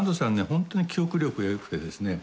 本当に記憶力が良くてですね。